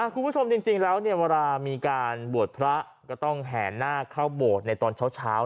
คุณผู้ชมจริงแล้วเนี่ยเวลามีการบวชพระก็ต้องแห่หน้าเข้าโบสถ์ในตอนเช้าเนาะ